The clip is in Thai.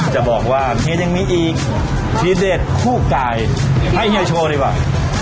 จะบอกว่าเฮียยังมีอีกทีเด็ดคู่ไก่ให้เฮียโชว์ดีกว่า